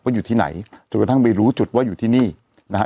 อยู่ที่ไหนจนกระทั่งไปรู้จุดว่าอยู่ที่นี่นะฮะ